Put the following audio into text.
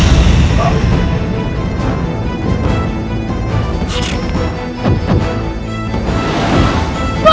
kamu mengamukan pembicara tiga